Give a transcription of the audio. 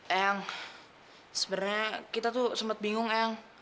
eyang sebenarnya kita tuh sempat bingung eyang